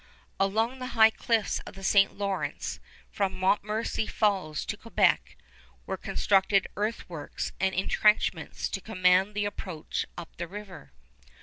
Along the high cliffs of the St. Lawrence from Montmorency Falls to Quebec were constructed earthworks and intrenchments to command the approach up the river.